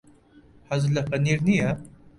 حەزت لە پەنیر نییە.